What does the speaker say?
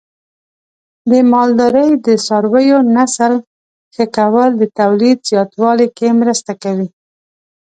د مالدارۍ د څارویو نسل ښه کول د تولید زیاتوالي کې مرسته کوي.